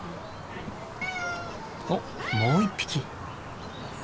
おっもう一匹。